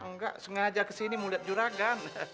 enggak sengaja kesini mau lihat juragan